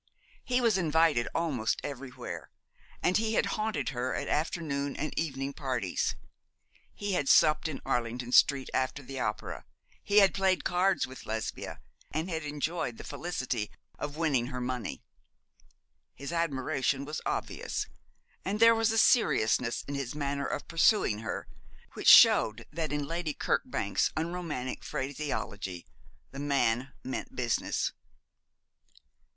He was invited almost everywhere, and he had haunted her at afternoon and evening parties; he had supped in Arlington Street after the opera; he had played cards with Lesbia, and had enjoyed the felicity of winning her money. His admiration was obvious, and there was a seriousness in his manner of pursuing her which showed that, in Lady Kirkbank's unromantic phraseology, 'the man meant business.'